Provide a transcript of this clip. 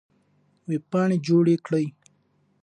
وېبپاڼې جوړې کړئ.